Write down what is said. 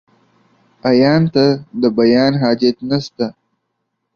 عيان ته ، د بيان حاجت نسته.